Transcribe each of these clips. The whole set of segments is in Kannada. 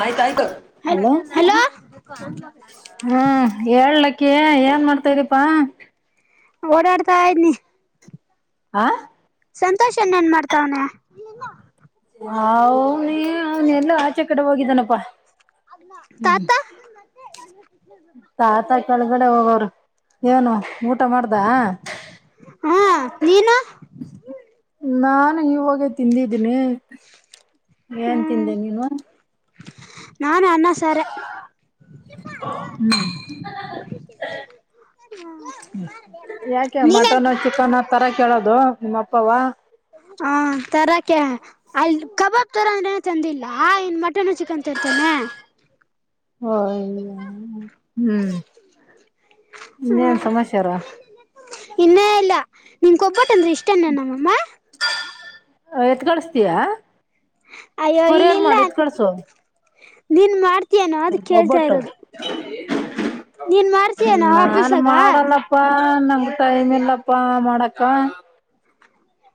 ಆಯ್ತಯ್ತು ಅಲೋ ಹಲೋ ಹಾ ಹೇಳಲಕ್ಕ ಏನ್ ಮಾಡ್ತಾ ಇದ್ದೀಪಾ ಓಡಾಡ್ತಾ ಇದ್ನಿ ಆ ಸಂತೋಷನ್ನ ಏನ್ ಮಾಡಾತಾವನ ಹ ನೀ ಅವನ ಎಲ್ಲ ಆಚೆ ಕಡೆ ಹೋಗಿದ್ದನಪ್ಪಾ ಹ್ಮ್ ತಾತ ತಾತ ಕೆಳಗಡೆ ಹೋಗವ್ರು ಏನು ಊಟ ಮಾಡ್ದ ಹಾ ನೀನು ನಾನು ಇವಾಗ ತಿಂದಿದ್ದೀನಿ [inaudible] ಏನ್ ಹ್ಮ್ ತಿಂದೆ ನೀನು ನಾನು ಅನ್ನ ಸಾರ ಹ್ಮ್ ಯಾಕೆ ನೀನೇನ್ ಮಟನ್ ಚಿಕನ್ ತರ ಕೇಳೋದು ನಿಮ್ಮ ಅಪ್ಪವ ಹ ತರಕ್ಕೆ ಅಲ್ಲಿ ಕಬಾಬ್ ತರ ತಂದಿಲ್ಲ ಆ ಏನ್ ಮ ಹ ಹ್ಮ್ ಹ್ಮ ಇನ್ನೇನ್ ಸಮಾಚ್ಯಾರ ಇನ್ನೇ ಇಲ್ಲ ನಿನ್ಕೊಬ್ಬಟ್ಟ ಅಂದ್ರೆ ಇಷ್ಟನ ನಮ್ಮಮ್ಮ ಎತ್ ಕಡಿಸತಯಾ ಅಯ್ಯೋ ಇಲ್ಲಿಲ್ಲ ನೀನ್ ಮಾಡ್ತಯನೋ ಅದು ಕೇಳ್ತಾ ಒಬ್ಬಟ್ಟು ಇರೋದು ನೀನ್ ಮಾಡ್ತೀಯನೋ ನಾನ್ ಆಫೀಸಾಗ ಮಾಡಲ್ಲಪ್ಪ ನ ಟೈಮ್ ಇಲ್ಲಪ್ಪಾ ಮಾಡಾಕ್ಕ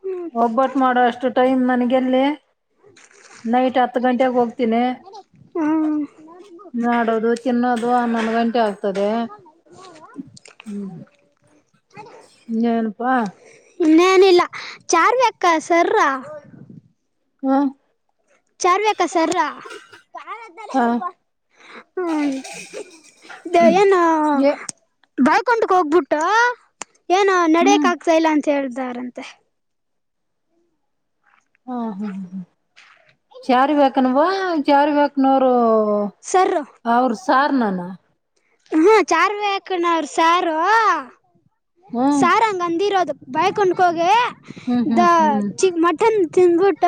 ಹ್ಮ್ ಒಬ್ಬಟ್ಟ ಮಾಡೋಷ್ಟು ಟೈಮ್ ನನಗೆಲ್ಲಿ ನೈಟ್ ಹತ್ತು ಗಂಟೆೆಗೆ ಹೋಗ್ತೀನಿ ಮಾಡೋದು ತಿನ್ನೋದು ಹನ್ನೊಂದು ಗಂಟೆ ಆಗ್ತದೆ ಹ್ಮ್ ಇೇಏನಪಾ ನ್ನೇನಿಲ್ಲ ಚಾರ್ವಿ ಅಕ್ಕ ಸರ ಹ್ಮ್ ಚಾರ್ಬೇಕ ಸರ ಹ ಹ್ಮ ಇದು ಏನು ಏ ಬಳ್್ಕಂಟಕ್ ಹೋಗ್ಬಿಟ್ಟು ಏನು ಹ್ಮ್ ನಡೆಯಕ್ ಆಗ್ತಾ ಇಲ್ಲ ಅ ಕೇೇಳ್ದಾರಂತೆ ಹ್ಮ ಹ್ಮ್ ಹ್ ಹ್ಮ ಚಾರ ಬನ್ವಾ ಚಾರ ಬ ನೂರು ಸರ್ ಆ ಸಾರ್ ನಾನ ಹ್ಮ ಚಾರ್ವ ಹಕನ ಅವರು ಸಾರು ಹ್ಮ್ ಸಾರ್ ಹಂಗ ಅಂದಿರೋದ by ಕುೊಂಡ್ಕೋಗಿ hmm the hmm hmm chi mutton ತಿಂದಬುಟ್ಟ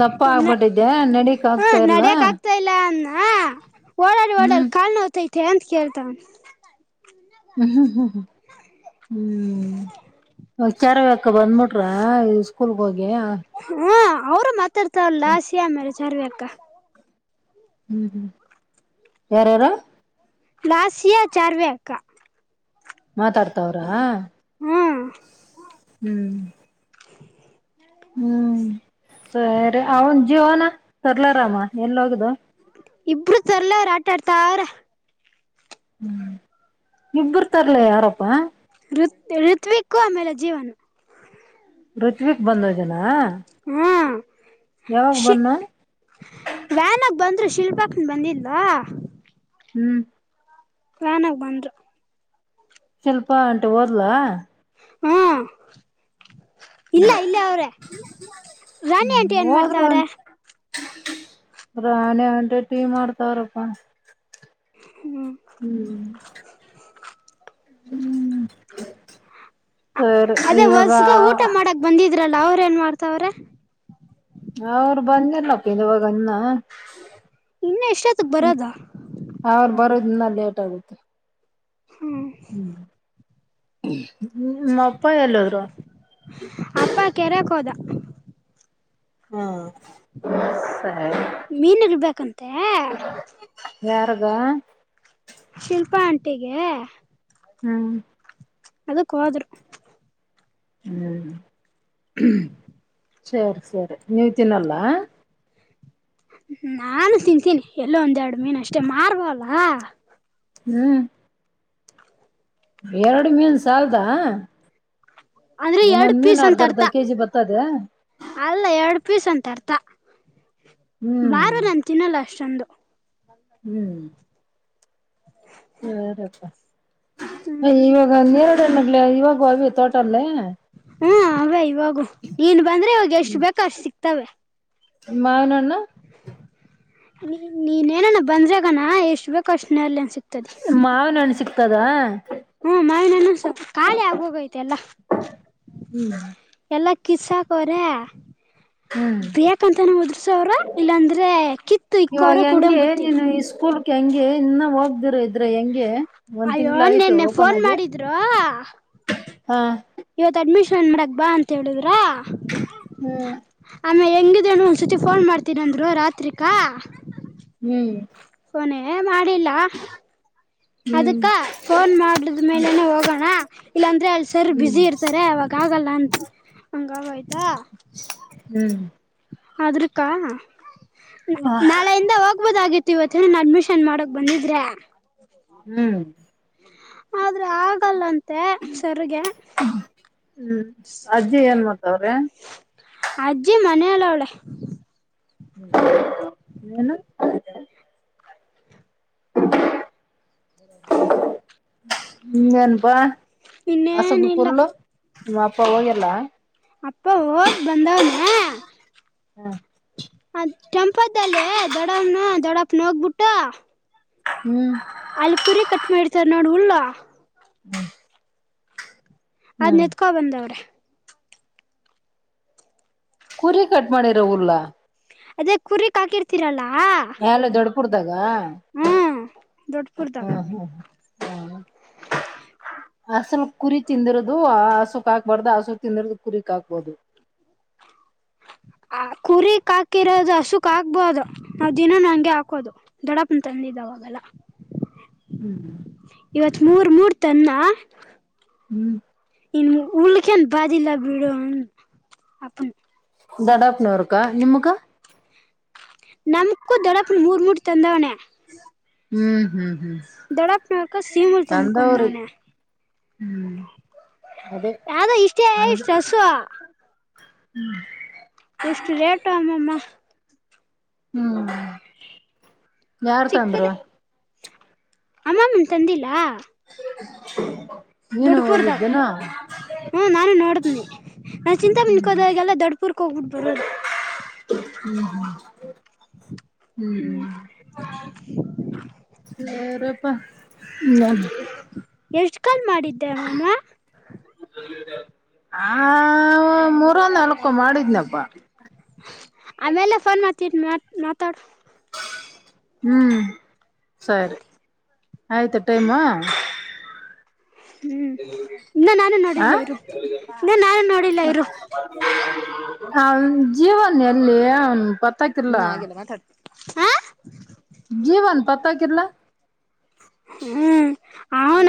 ದಪ್ಪ ಹ್ಮ ಆಗ್ಬಿಟ್ಟಿದ್ದೆ ನಡಕ್ ಆಗ್ತಾ ಇಲ್ಲ ನಡ್ಯಕ್ ಆಗ್ತಾ ಇಲ್ಲ ಅಂದ ಓಡರಿ ಓಡ ಹ್ಮ್ ಕಾ ನ ಮತ್ತೆ ಎಂತ ಕೇಳ್ತ ಹ್ಮ್ ಹ್ಮ್ ಹ್ಮ್ ಹ್ಮ್ ಹ್ಮ್ಚಾರವಕ ಬಂದ್ಬಿಟ್ರ ಸ್ಕೂಲ್ಗ ಹೋಗ ಹಾ ಅವರು ಮಾತಾಡ್ತಾವಲ್ಲ ಸಿಮೇಲೆ ಚಾರ್ವಿ ಅಕ್ಕ ಹ್ಮ್ ಹ್ಮ್ ಯಾರ ಯಾರು ಲಾಾಸಿಯಾ ಚಾರ್ವೆ ಅಕ್ಕಾ ಮಾತಾಡ್ತಾವ್ರಾ ಹ್ಮ ಹ್ಮ್ [inaudible] ಹ್ಮ್ ಸರಿ ಅವನ್ ಜೀವನ ಸರ್ಲಾರಾಮ ಎಲ್ಲ ಹೋಗದು ಇಬ್ರು ಸರ್ಲರ ಆಟಾಡ್ತಾರ ಹ್ಮ್ ಇಬ್ಬರು ತಾರ್ಲ್ಲ ಯಾರಪ್ಪ ಋತ್ ಋತ್ವಿಕ್ಕೂ ಆಮೇಲೆ ಜೀವನು ರುತ್ವಿಕ್ ಬಂದವ ಜನ ಹ್ಮ ಶಿ ಬನ್ನು ವ್ಯಾನ್ಾಗ ಬಂದ್ರು ಶಿಲ್ಪಾಕ್ನ ಬಂದಿಲ್ವಾ ಹ್ಮ್ ನನ್ಾಗ ಬಂದ್ರು ಶಿಲ್ಪ ಅಂ ಓದ್ಲಾ ಹ್ಮ ಇಲ್ಲ ಇಲ್ಲ ಅವ್ರೆ ರಾಣಿ ಹ್ಮ್ ಅಂಟಿ ಏನ್ ಹೋದ್ರು ಮಾಡ್ತಾವ್ರ ರಾಣಿ ಅಟೆ ಟೀ ಮಾಡಡ್ತವಾರಪ್ಪ ಹ್ಮ್ ಸರಿ ಅದ ಇವಾಗ ಹೊಸ್ಗ ಊಟ ಮಾಡಕ್ ಬಂದಿದ್ದ ಇದ್ರಲ್ಲ ಅವ್ರ ಏನ್ ಮಾಡ್ತಾವ್ರೆ ಅವರು ಬಂದಿರ್ನಪ್ಪ ಇವಾಗನ್ನ ಇನ್ನ ಎಷ್ಟೊತ್ತಕ್ ಬರದ ಬರೋದನ್ನ ಲೇಟ್ ಆಗುತ್ತೆ ಹ್ಮ್ ಹ್ಮ ಹ್ಮ ಅಪ್ಪ ಎಲ್ಲದ್ರು ಅಪ್ಪ ಕೆರೆಕ್ ಹೋದ ಹಾ ಸರಿ ಮೀನ್ ಇರ್ಬೇಕಂತೆ ಯಾರುಗ ಶಿಲ್ಪಾ ಅಂಟಿಗೆ ಹ್ಮ್ ಅದ ಕಾದರು ಹ್ಮ್ ಸರಿ ಸರಿ ನೀವ ತಿನ್ನಲ್ಲ ನಾನು ತಿಂತೀನಿ ಎಲ್ಲೋ ಒಂದ್ೆರಡು ಮೀನ್ ಅಷ್ಟೇ ಮಾರ್ವಲ್ಲ ಹ್ಮ್ ಎರಡು ಮೀನ್ ಸಾಲದಾ ಅಂದ್ರೆ ಎರಡ್ ಪೀಸ್ ಅಂತ ಅರ್ಧ ಅರ್ತ ಕೆಜಿ ಬರ್ತದೆ ಅಲ್ಲ ಎರಡ್ ಪೀಸ್ ಅಂತ ಅರ್ಥ ಹ್ಮ್ ಬಾರೋ ತಿನ್ನಲ್ಲ ಚಂದು ಹ್ಮ್ ಸದಪ್ಪ [inaudible] ಹ್ಮ್ ಅಯ್ಯೋ ಹನ್ನೆರಡು ಇವಾಗ ಅವಿ ತೋಟಲ್ಲೇ ಹ ಹಾ ಅವ ಇವಾಗು ನೀನ್ ಬಂದ್ರೆ ಇವಾಗ ಎಷ್ಟು ಬೇಕ ಅಷ್ಟು ಸಿಕ್ತವೆ ಮಾವನ್ಣ ನೀ ನೀನ್ನನ ಬಂದ್ರಗಣ ಎಷ್ಟು ಬೇಕು ಅಷ್ಟನ ಅಲ್ಲಿ ಮಾವಿನ ಹಣ್ಣು ಸಿಕ್ಕದಾ ತೆಲ ಹ್ಮ ಕಿಸ್ ಅಕ್ವಾರೆ ಬೇಕಂತನ ಉದರ್ಸೋರು ಇಲ್ಲಾಂದ್ರೆ ಕಿತ್ತು ಇವಾಗ ಇಕ್ಕೋರು ಕೂಡಂಗ ಹೆಂಗೆ ಗೊತ್ತಿಲ್ಲ ನೀನು ಈ ಸ್ಕೂಲ್ಕ್ ಹೆಂಗೆ ಇನ್ನ ಹೋಗ್ದಿರ ಇದ್ರೆ ಹೆಂಗೆ ಒಂದ್ ಅಯ್ಯೋ ತಿಂಗ್ಳ ಆಯ್ತು ನಿನ್ನೆ ಓಪನ್ ಫೋನ್ ಆಗಿ ಮಾಡಿದ್ರು ಹಾ ಇವತ್ ಅಡ್ಮಿಷನ್ [unintelligible] ಮಾಡಗ್ ಬಾ ಅಂತ ಹೇಳಿದ್ರ ಹ್ಮ್ ಆಮ ಹೆಂಗಿದೆ ಅನು ಒಂದಸತಿ ಫೋನ್ ಮಾಡ್ತೀನಂದ್ರು ರಾತ್ರಿಕಾ ಹ್ಮ್ ಹಾಯ್ ಮಾಡಿಲ್ಲ ಹ್ಮ್ ಅದಕ್ಕ ಫೋನ್ ಮಾಡದ ಮೇಲೆನೆ ಹೋಗೋಣ ಇಲ್ಲಾಂದ್ರೆ ಅಲ್ಲಿ ಸರ್ ಹ್ಮ್ ಬಸಿ ಇರ್ತಾರೆ ಅವಾಗ ಆಗಲ್ಲ ಅಂತ ಹಂಗ ಅಗೋಯ್ತು ಹ್ಮ್ ಅದರುಕ್ಕಾ ನಾಳೆಯಿಂದ ಓಗ್ ಹಗ್ಬೋದಾಗಿತ್ತು ಇವತ್ ಹೇಳ ನಾ ಅಡ್ಮಿಷನ್ ಮಾಡಕ್ ಬಂದಿದ್ರೆ ಹ್ಮ್ ಆದ್ರೆ ಆಗಲ್ಲಂತೆ ಸರ್ಗೆ ಹ್ಮ್ ಅಜ್ಜಿ ಏನ್ ಮಾಡ್ತಾವ್ರೆ ಅಜ್ಜಿ ಮ ಮೇಲ್ ಅವಳೆ ಹ್ಮ ನು [inaudible] ಹ್ಮ್ ಏನಪಾ ಆಸ ಬ ಇನ್ನೇನಿಲ್ಲ ಕೋಡ್ಲು ನಿಮ್ಮ ಅಪ್ಪ ಹೋಗಿಲ್ಲ ಅಪ್ಪ ಓದ್ ಬಂದಾವನೆ ಅ ಕೆೆಂಪದಲ್ಲೆ ದೊಡ್ಡವ್ನು ದೊಡ್ಡಪ್ಪನು ಹೋಗಬಿಟ್ಟು ಹ್ಮ್ ಅಲ್ ಕುರಿ ಕಟ್ ಮಾಡಿರ್ತಾರ ನೋಡ್ ಉಲ್ಲು ಹ್ಮ ಅದನ್ ಏತ್ಕೊ ಬಂದವ್ರೆ ಕುರಿ ಕಟ್ ಮಾಡಿರವುಲ್ಲಾ ಅದೇ ಕುರಿಕ್ ಹಕಿರ್ತಿರಲ್ಲಾ ಎಲ್ಲ ದೊಡ್ಡ್ ಕುರ್ದಗ್ ಹಾ ಹ್ಮ್ ದೊಡ್ಡಪುರ್ದಾಗ ಹ್ಮ ಹ್ಮ ಹ ಅಸಲ್ ಕುರಿ ತಿಂದಿರದು ಆಸು ಹಾಕ್ಬಾರ್ದ ಆಸತಿ ನಿರ್ದ ಕುರಿಕ್ ಹಾಕ್ಬೋದು ಆ ಕುರಿಕ್ ಹಾಕಿರೋದು ಹಸುಖ ಹಾಕ್ಬೋದು ನ ದಿನಾನ ಹಂಗೆ ಹಾಕೋದು ದೊಡ್ಡಪ್ಪನ ತಂದಿದ್ದಾವಾಗೆಲ್ಲ ಹ್ಮ್ ಮೂರ್ ಮೂರ್ ತನ್ನ ಹ್ಮ್ ಇನ್ನು ಉಲ್ಖನ್ ಬಾಜಿಲ್ಲ ಬಿಡ ದಡಾಪ್ನವರ್ಕಾ ನಿಮಕ್ಕ ನಮ ನಕ್ಕುದಡಪ್ನ ಮೂರುಮ ಮೂರು ತಂದಾವಣ ಹ್ಮ್ ಹ್ಮ್ ಹ್ಮ್ ದೊಡಪ್ನಕ ಸೀಮುಳ ತಂದವ್ರಿ ತನ್ಕೊಂಡವನ. ಹ್ಮ್. ಅದೇ ಯ್ದೋ ಇಷ್ಟೇಷ್ಟ್ಟಸ್ು ಹ್ಮ್ ರೇಟು ಅಮ್ಮಮ್ಮ ಹ್ಮ್ ಯಾರ್ ತಂದರು ಅಮಾಮನ್ ತಂದಿಲ್ಲ ಹ ದೊಡ್ಡಪುರ್ದಾಗ ಹ ನಾನು ನೋಡ ಸನಿ ನಾ ಚಿಂತಾ ಮಲ್ಕೋದಾಗೆಲ್ಲ ದೊಡ್ ಪೂರ್ಕ್ ಹೋಗ್ಬಿಟ್ಟು ಬರೋದು ಹ್ಮ್ ಹ್ಮ ಹ್ಮ್ ಹ್ಮ್ ಸೇರ. ಹಾ ಹ್ಮ. ಕಲ್ ಮಾಡಿದ್ದಮ್ಮಮ್ಮ. ಆ ಮೂರ ನಾಲ್ಕು ಮಾಡಿದ್ನಬ್ಬ. ಆಮೇಲೆ ಫೋನ್. ಚ ಮ ನತಾಡು. ಹ್ಮ್ ಸರಿ. ಆಯ್ತು ಟೈಮ್. ಹ್ಮ್ ಇನ್ನ ನಾನು ಹ ನೋಡಿಲ್ಲ ಇರು ಇನ್ನ ನಾನು ನೋಡಿಲ್ಲ ಇರು ಹ. ಜೀವನ್ ಎಲ್ಲಿ. ಪತ್ತಾಕಿಲ್ಲ ಹ್ಮ ಹಾಗೆಲ್ಲ ಮಾತಾಡ್ತ. ಹಾ. ಪತ್ತ ಕೆಲ ಹ್ಮ್ ಅವನ.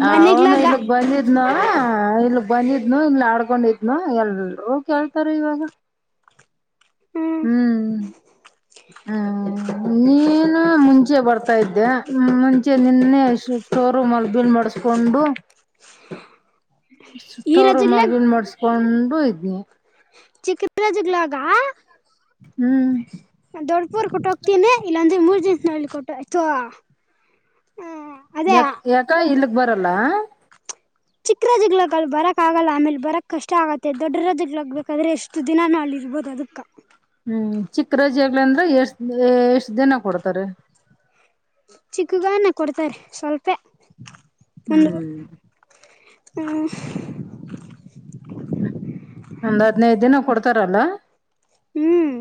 ಹ ಅವನು ಇಲ್ಲಿ ಗೆ ಬಂದಿದ್ದ. ಇದ್ನ ಇಲ್ಲಿ ಬಂದಿದ್ನು ಇಲ್ಲಿ ಆಡ್ಕೊಂಡಿದ್ನು ಎಲ್ ಕೇಳ್ತಾರ ಇವಾಗ. ಹ್ಮ್ ಹ್ಮ ನೀ. ನ ಮುಂಚೆ ಬರ್ತಾ ಇದ್ದೆ ಮುಂಚೆ ನಿನ್ನೆ ಸ್ಟೋರೂಮ್ ಅಲ್ಲಿ ಬಿಲ್ ಮಾಡಸ್ಕೊಂಡು. ಈ ಸುಟ್ಟೋರು ರಜಗ್ಲಾಗ ಮಲ್ನ್ ಮಾಡಸ್ಕೊಂಡ್. ಇದ್ದ. ಚಿಕ್ಕನರಾಜುಲಾಗ. ಹ್ಮ್. ರ್ ಕೊಟ್ಟ ಹೋಗ್ತೀನಿ ಇಲ್ಲ ಅಂದ್ರೆ ಮೂರ್ ದಿನನ್ಸ ನಲ್ಲಿ ಕೊಟ್ಟ ಆಯ್ತೋ. ಯ ಯಕ ಇಲ್ಲಿ. ಬರಲ್ಲ. ಚಿಕ್ಕ್ರ ಜಿಗ್ಲಕ್ಕಲ್ ಬರಕ್ ಆಗಲ್ಲ ಆಮೇಲೆ ಬರಕ್ ಕಷ್ಟ ಆಗತ್ತೆ ದೊಡ್ಡರ ಜಿಗ್ಲಕ್ ಬಾದ್ರೆ ಎಷ್ಟು ದಿನ ನಳ ಇರ್ಬೋದು ಅದಕ್ಕ. ಹ್ಮ್ ಚಿಕ್ಕ ರೋಜೆಾಗ್ಲಿ ಅಂದ್ರೆ ಎಷ್ಟ ಎಷ್ಟ ದಿನ ಕೊಡ್ತಾರೆ. ಚಿಕ್ಕಗನ್ನ ಕೊಡ್ತಾರೆ ಸ್ವಲ್ಪೇ. ಒಂದು. ಹ್ಮ್ ಹ. ಒಂದ್ ಹದ್ನೈದ ದಿನ ಕೊಡ್ತಾರಲ್ಲ. ಹ್ಮ್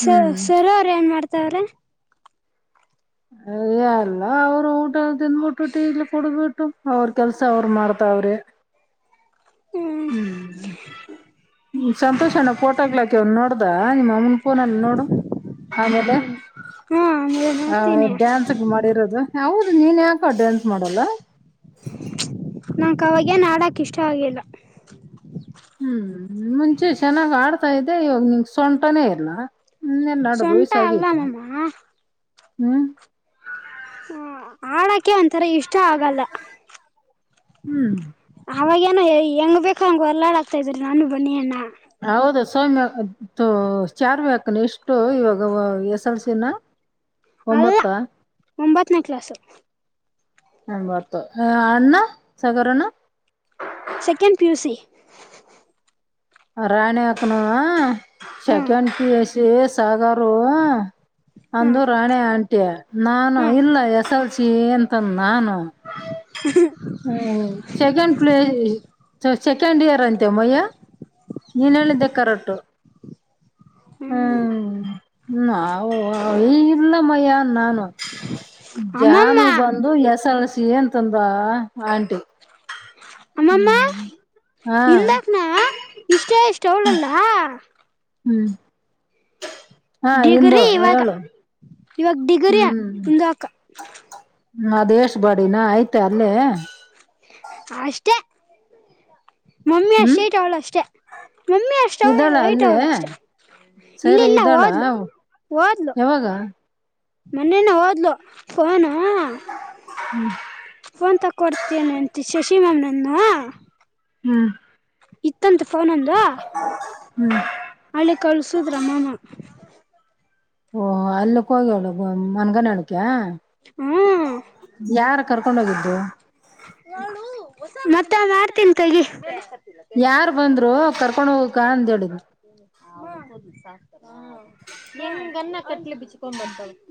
ಸ ಹ್ಮ್ ಸರೋವರ ಏನ್ ಮಾಡ್ತವ್ರೆ. ಅಯ್ಯ ಎಲ್ಲ ಅವರು ಊಟ ತಿಿಂದ್ಬಿಟ್ಬಿಟ್ಟು ಇಲ್ಲಿ ಕುಡುದ್ಬಿಟ್ಟು ಅವ್ರ ಕೆಲ್ಸ ಅವ್ರ ಮಾಡ್ತಾವ್ರಿ. ಹ್ಮ್ ಹ್ಮ್್ಮ ಸಂತೋಷನ ಫೋಟೋಕ್ಲಾಕ ಒ ನೋಡ್. ಹ ನಿಮ್ಮನ್ ಫೋನ್ ಅಲ್ಲ ನೋಡು ಹಾ ಆಮೇಲೆ ನೋಡ್ತೀನಿ ಡ್ಯಾನ್ಸ್ಗ್ ಮಾಡಿರೋದು ಹ ನೀನ್ ಯಾಕ ಡ್ಯಾನ್ಸ್ ಮಾಡಲ್ಲ ನಂಕ್ ಅವವಾಗೇನ್ ಆಡಕ್ ಇಷ್ಟ ಆಗಿಲ್ಲ ಹ್ಮ್ ಮುಂಚೆ ಚೆನ್ನಾಗ್ ಆಡ್ತ ತಾ ಇದೆ ಇವಾಗ ನಿಂಂಗ ಸೊಂಟನೇ ಇಲ್ಲಾ ಸೊಂಟಾ ಅಲ್ಲಾಮಮ್ಮಾ ಹ್ಮ್ ಹ ಹಾಳ ಅ ಅಂತರ ಇಷ್ಟ ಇಷ್ಟ ಆಗಲ್ಲ ಹ್ಮ್ ಅವಾಗೇನೋ ಹೆಂಗ್ ಬೇಕು ಹಂಗಗೆ ಹೊರಲಾಡ ಆಾತ ಇದ್ರ ನಾನ ಬನ್ನಿ ಅಣ್ಣ ಹೌದು ಸೋಮ್ಯ ಚಾರ್ವಿ ಹಕನ ಎಷ್ಟು ಇವಾಗ ಎಸ್ ಎಲ್ಸಿನ ಅಲ್ಲ ಒಂಬತ್ತನೇ ಕ್ಲಾಸು ಹಂಬತ್ತು ಅಣ್ಣ ಸಗರನ್ನು ಸೆಕೆಂಡ್ ಪಿ ಯು ಸಿಿ ರಾಣಿ ಹಾಕಣ ಹ್ಮ್ ಸೆಕೆಂಡಂಡ ಪಿ ಎಸ್ ಶಷಾಗ ಹಲೋ ಅಂದು ಹ್ಮ್ ರಾಣೆ ಆಂಟಿ ನಾನು ಹ್ಮ್ ಇಲ್ಲ ಎಸ ಚಿ ಅಂತ ನಾನು ಹ್ಮ ಸೆಕ್ ಪ್ಲೇಸ್ ಸೆಕೆಂಡ್ ಇಯರ್ ಅಂತಂತೆಮ್ಮಯ್ಯ ನೀನ್ ಹೇಳಿದ್ದೆ ಕರಟು ಹ್ಮ್ ನಾವು ಇಲ್ಲ ಮಯ್ಯ ನಾನು ಅಮ್ಮಮ್ಮ ಜಾನು ಬಂದು ಹೆಸಲ್ ಸಿ ಎಂತಂದಾ ಆಂಟಿ ಅಮ್ಮಮ್ಮ ಹ್ಮ್ ಹಾ ಇಂದಕ್ ನ ಇಷ್ಟ ೇ ಸ್ಟೋಲಲ್ಲಾ [inaudible] ಹ್ಮ್ ಹಾ ಹಂದು ಡಿಗ್ರಿ ಇವಾಗ ಏಳು ಇವಾಗ ಡಿಗರಿಯ ಮುಂದ ಅಕ ಹ್ಮ ಅದ್ ಎಷ್ಟ ಬಾಡಿನ ಆಯ್ತಾ ಅಲ್ಲೇ ಅಷ್ಟೆ ಮಮ್ಮಿ ಹ್ಮ್ ಅಷ್ಟೇ ಟ್ ಅವಳು ಅಷ್ಟೇ ಮಮ್ಮಿ ಅಷ್ಟವ ಇದ್ದಾಳ ಅಲ್ಲೇ ಐಟವಣ ಅಷ್ಟೆ ಇಲ್ಲ ಸರಿ ಇಲ್ಲ ಇದ್ದಾಳ ಓದ್ಲು ಓದ್ಲು ಯಾವಾಗ ಮೊನೇನ ಹೋದ್ಲು ಹಾ ಫೋನ್ ತಗೊಡ್ತೀನ ಅಂತ ಶಶಿಮಮನನ್ನು ಹ್ಮ್ ಇತ್ತಂತ ಫೋನ್ಂದು ಹ್ಮ್ ಅಲ್ಲಿಿ ಕಳ್ಸುದ್ರ ಮಾಮ ಓಹ ಅಲ್ಲಕ್ಕೆ ಹೋಗವಳು ಮನ್ಗನಾಡಕ ಹ್ಮ್ ಕರ್ಕೊಂಡ್ ಹೋಗಿದ್ದು ನಡುು ಮತ್ತೆ ಮಾಡ್ತೀನಿ ತೆಗಿ ಯಾರ್ ಬಂದ್ರು ಕರ್ಕೊಂಡ ಹೋಗಕ ಅಂದ ಹೇಳಿದ ಹ ಹೆಂಗನ್ನ ಕಟ್ಲಿ ಬಿಚ್ಕೊಂಡ ಬರ್ತವ